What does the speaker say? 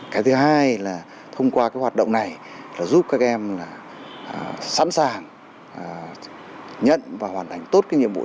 cái thứ hai là thông qua hoạt động này giúp các em sẵn sàng nhận và hoàn thành tốt nhiệm vụ